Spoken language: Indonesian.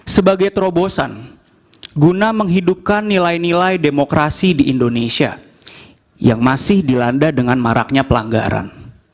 sebagai terobosan guna menghidupkan nilai nilai demokrasi di indonesia yang masih dilanda dengan maraknya pelanggaran